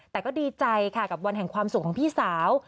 แต่ก็ดีใจค่ะกับวันแห่งความสุขของพี่สาว